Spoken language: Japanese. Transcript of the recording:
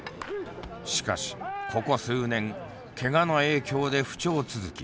しかしここ数年ケガの影響で不調続き。